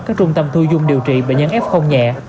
các trung tâm thu dung điều trị bệnh nhân f nhẹ